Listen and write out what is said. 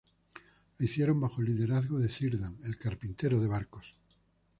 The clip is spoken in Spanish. Lo hicieron bajo el liderazgo de Círdan el carpintero de barcos.